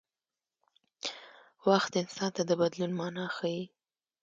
وخت انسان ته د بدلون مانا ښيي.